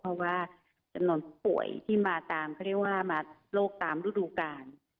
เพราะว่าจะมีป่วยที่มาตามเรียกว่ามาโรคตามรูดูการ